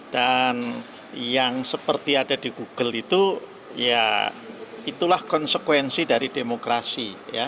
yang seperti ada di google itu ya itulah konsekuensi dari demokrasi